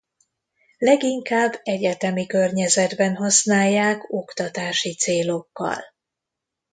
Leginkább egyetemi környezetben használják oktatási célokkal.